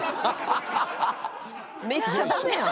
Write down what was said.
めっちゃだめやん。